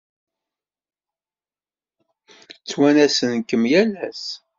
Ttwanasen-kem yal ass.